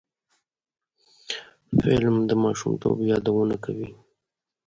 فلم د ماشومتوب یادونه کوي